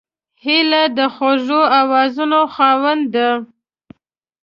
هیلۍ د خوږو آوازونو خاوند ده